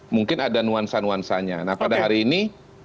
mungkin ada nuansa nuansanya nah pada hari ini